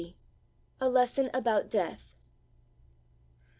A LESSON ABOUT DEATH.